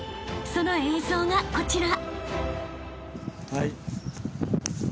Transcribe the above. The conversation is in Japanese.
［その映像がこちら］